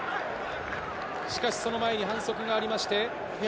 しかし、その前に反則がありまして。